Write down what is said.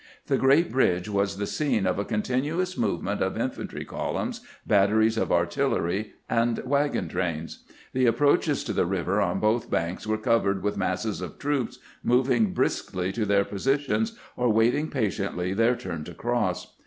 The great bridge was the scene of a continuous movement of in fantry columns, batteries of artillery, and wagon trains. The approaches to the river on both banks were cov ered with masses of troops moving briskly to their positions or waiting patiently their turn to cross.